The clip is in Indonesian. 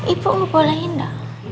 ibu bolehin dong